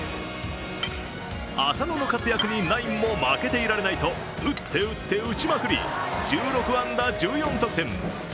浅野の活躍にナインも負けていられないと打って打って打ちまくり、１６安打１４得点。